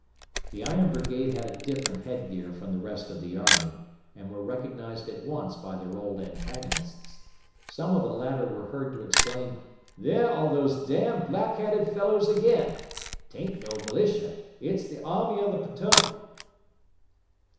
The Iron Brigade had a different head gear from the rest of the army and were recognized at once by their old antagonists. Some of the latter were heard to exclaim: "There are those d d black hatted fellows again! 'Taint no militia. It's the Army of the Potomac."